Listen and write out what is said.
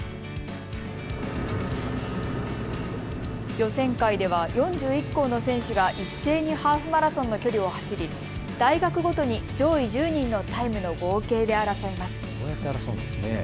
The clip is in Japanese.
予選会では４１校の選手が一斉にハーフマラソンの距離を走り大学ごとに上位１０人のタイムの合計で争います。